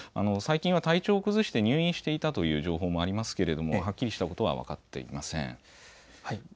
最近は体調を崩して入院していたという情報もありますがはっきりしたことは分かっていません。